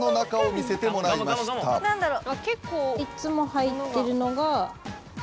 いっつも入ってるのが。